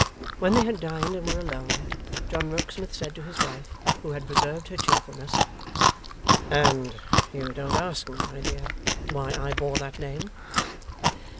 When they had dined and were alone, John Rokesmith said to his wife, who had preserved her cheerfulness: 'And you don't ask me, my dear, why I bore that name?